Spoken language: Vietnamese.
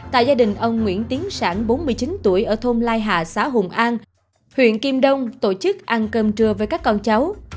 tại gia đình ông nguyễn tiến sản bốn mươi chín tuổi ở thôn lai hà xã hùng an huyện kim đông tổ chức ăn cơm trưa với các con cháu